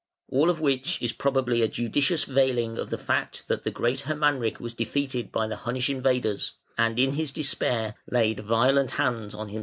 All of which is probably a judicious veiling of the fact, that the great Hermanric was defeated by the Hunnish invaders, and in his despair laid violent hands on himself.